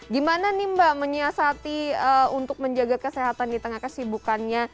gimana nih mbak menyiasati untuk menjaga kesehatan di tengah kesibukannya